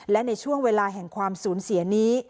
และในช่วงเวลาแห่งความสูญเสียนี้